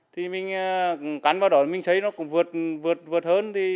thì mình cắn vào đó mình thấy nó cũng vượt vượt hơn